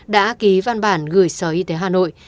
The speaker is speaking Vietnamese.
đã ký văn bản gửi sở y tế hà nội